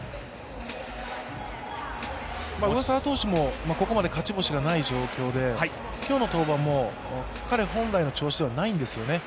上沢投手もここまで勝ち星がない状況で今日の登板も、彼本来の調子ではないんですよね。